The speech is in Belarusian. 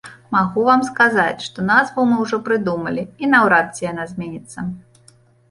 Магу вам сказаць, што назву мы ўжо прыдумалі і наўрад ці яна зменіцца.